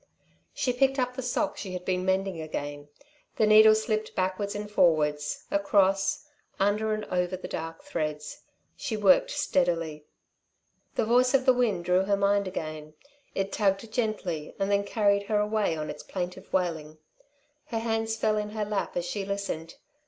She picked up the sock she had been mending again. The needle slipped backwards and forwards, across, under and over, the dark threads. She worked steadily. The voice of the wind drew her mind again. It tugged gently and then carried her away on its plaintive wailing. Her hands fell in her lap as she listened.